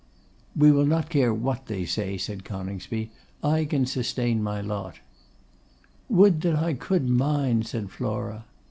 'We will not care what they say,' said Coningsby; 'I can sustain my lot.' 'Would that I could mine!' said Flora.